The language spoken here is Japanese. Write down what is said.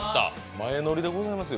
前乗りでございますよ。